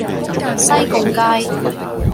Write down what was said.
西貢街